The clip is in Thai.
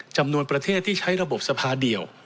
จำนวนประเทศที่ใช้ระบบสภาเดียว